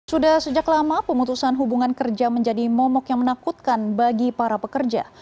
sudah sejak lama pemutusan hubungan kerja menjadi momok yang menakutkan bagi para pekerja